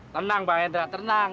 tenang pak hendra tenang